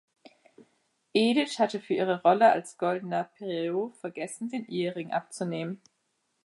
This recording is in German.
Edith hatte für ihre Rolle als goldener Pierrot vergessen, den Ehering abzunehmen.